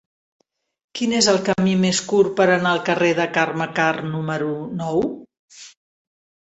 Quin és el camí més curt per anar al carrer de Carme Karr número nou?